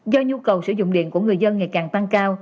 do nhu cầu sử dụng điện của người dân ngày càng tăng cao